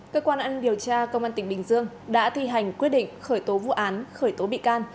cơ quan ăn điều tra công an tỉnh bình dương đã thi hành quyết định khởi tố vụ án khởi tố bị can